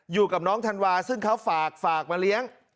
อยู่กับน้องธันวาซึ่งเขาฝากมาเลี้ยง